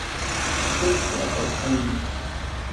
Dɨga okaina.